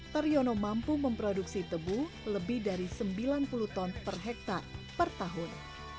taryono mampu memproduksi tebu lebih dari sembilan puluh ton per hektare per tahun